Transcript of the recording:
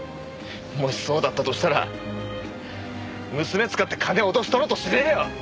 もしそうだったとしたら娘使って金を脅し取ろうとしねえよ！